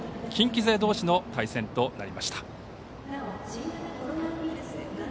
近畿勢どうしの対戦となりました。